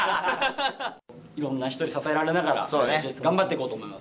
いろんな人に支えられながら、ＨｉＨｉＪｅｔｓ、頑張っていこうと思います。